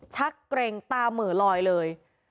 ชักเกร็งตาเหมือลอยเลย